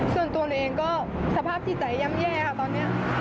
ส่วนตัวหนูเองก็สภาพจิตใจย่ำแย่ค่ะตอนนี้